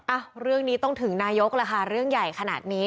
อ่ะเรื่องนี้ต้องถึงนายกล่ะค่ะเรื่องใหญ่ขนาดนี้